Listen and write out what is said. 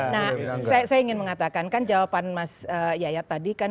nah saya ingin mengatakan kan jawaban mas yayat tadi kan